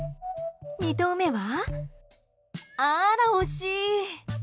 ２投目は、あら惜しい。